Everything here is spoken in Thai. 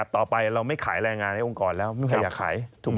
ต่อไปเราไม่ขายแรงงานให้องค์กรแล้วไม่มีใครอยากขายถูกไหม